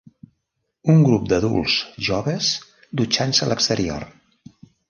Un grup d'adults joves dutxant-se a l'exterior